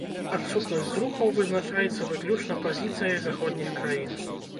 Адсутнасць зрухаў вызначаецца выключна пазіцыяй заходніх краін.